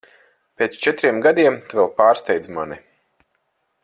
Pēc četriem gadiem tu vēl pārsteidz mani.